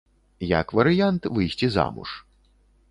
Як варыянт, выйсці замуж.